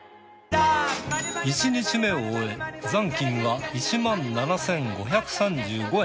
１日目を終え残金が１７，５３５円。